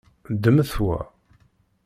Ddmet wa.